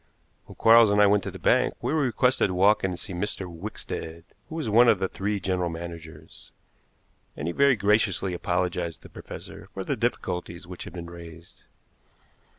When Quarles and I went to the bank, we were requested to walk in and see Mr. Wickstead, who was one of the three general managers, and he very graciously apologized to the professor for the difficulties which had been raised.